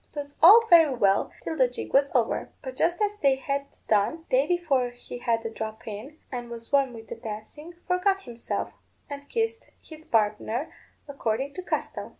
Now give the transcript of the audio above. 'Twas all very well till the jig was over; but just as they had done, Davy, for he had a drop in, and was warm with the dancing, forgot himself, and kissed his partner, according to custom.